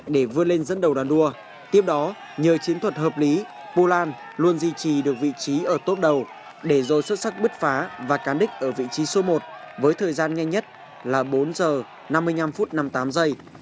để vươn lên dẫn đầu đoàn đua tiếp đó nhờ chiến thuật hợp lý bưu lan luôn duy trì được vị trí ở tốt đầu để rồi xuất sắc bứt phá và cán đích ở vị trí số một với thời gian nhanh nhất là bốn giờ năm mươi năm phút năm mươi tám giây